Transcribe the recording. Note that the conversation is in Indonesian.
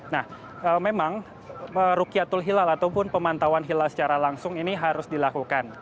nah memang rukiatul hilal ataupun pemantauan hilal secara langsung ini harus dilakukan